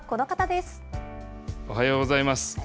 おはようございます。